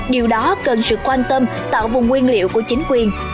điều đó cần sự quan tâm tạo vùng nguyên liệu của chính quyền